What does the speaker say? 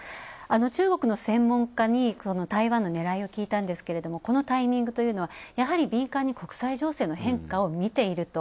中国の専門家に台湾のねらいを聞いたんですけれどもこのタイミングというのは、やはり敏感に国際情勢の変化を見ていると。